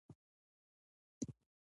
ایا ستاسو ګیلاس به تش نه وي؟